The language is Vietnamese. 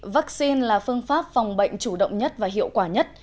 vaccine là phương pháp phòng bệnh chủ động nhất và hiệu quả nhất